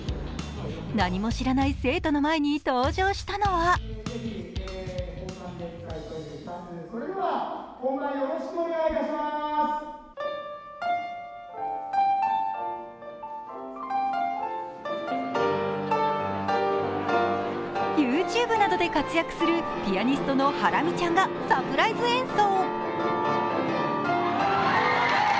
何も知らない生徒の前に登場したのはＹｏｕＴｕｂｅなどで活躍するピアニストのハラミちゃんがサプライズ演奏。